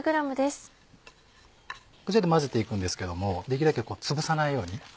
こちらで混ぜて行くんですけどもできるだけつぶさないように。